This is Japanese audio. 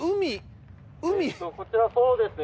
こちらそうですね。